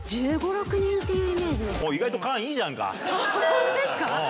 ホントですか？